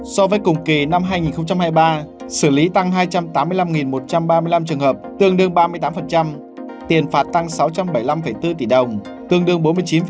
so với cùng kỳ năm hai nghìn hai mươi ba xử lý tăng hai trăm tám mươi năm một trăm ba mươi năm trường hợp tương đương ba mươi tám tiền phạt tăng sáu trăm bảy mươi năm bốn tỷ đồng tương đương bốn mươi chín